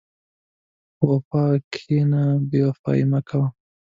په وفا کښېنه، بېوفایي مه کوه.